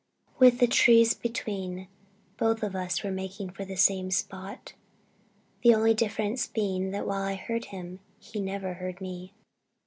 With the trees between, both of us were making for the same spot, the only difference being that while I heard him he never heard me.